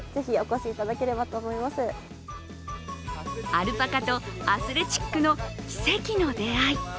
アルパカとアスレチックの奇跡の出会い。